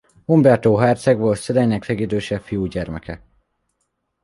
Umbertó herceg volt szüleinek legidősebb fiúgyermeke.